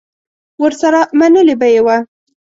ورسره منلې به یې وه